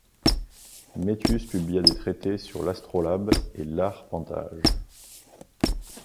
Metius publia des traités sur l'astrolabe et l'arpentage.